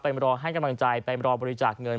รอให้กำลังใจไปรอบริจาคเงิน